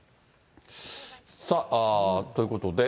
さあ、ということで。